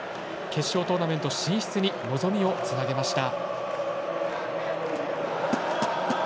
決勝トーナメント進出に望みをつなげました。